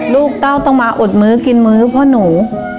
ลูกเต้าต้องมาอดมือกินมือเพราะหนู